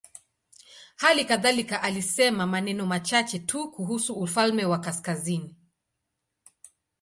Hali kadhalika alisema maneno machache tu kuhusu ufalme wa kaskazini.